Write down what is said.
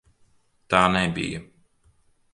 Tā nebija!